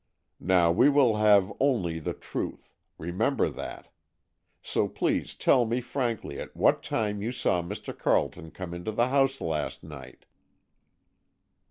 Now we will have only the truth—remember that. So please tell me frankly at what time you saw Mr. Carleton come into the house last night?"